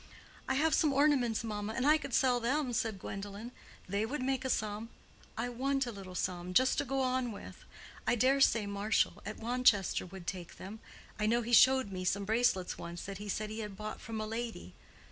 "I have some ornaments, mamma, and I could sell them," said Gwendolen. "They would make a sum: I want a little sum—just to go on with. I dare say Marshall, at Wanchester, would take them: I know he showed me some bracelets once that he said he had bought from a lady.